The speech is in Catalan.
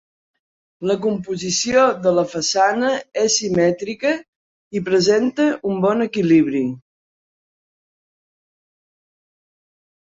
La composició de la façana és simètrica i presenta un bon equilibri.